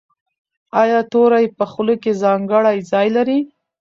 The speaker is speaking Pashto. ایا توری په خوله کې ځانګړی ځای لري؟